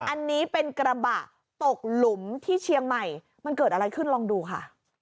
อันนี้เป็นกระบะตกหลุมที่เชียงใหม่มันเกิดอะไรขึ้นลองดูค่ะ